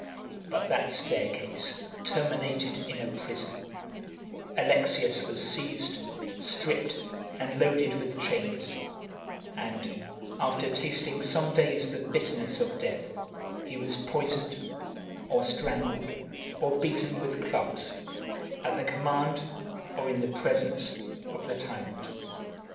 But that staircase terminated in a prison: Alexius was seized, stripped, and loaded with chains; and, after tasting some days the bitterness of death, he was poisoned, or strangled, or beaten with clubs, at the command, or in the presence, of the tyrant.